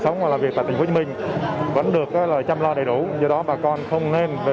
sống và làm việc tại thành phố hồ chí minh vẫn được chăm lo đầy đủ do đó bà con không nên về